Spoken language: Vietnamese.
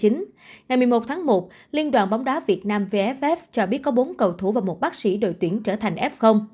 ngày một mươi một tháng một liên đoàn bóng đá việt nam vff cho biết có bốn cầu thủ và một bác sĩ đội tuyển trở thành f